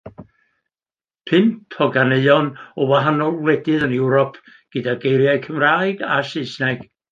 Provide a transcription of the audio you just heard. Pump o ganeuon o wahanol wledydd yn Ewrop gyda geiriau Cymraeg a Saesneg.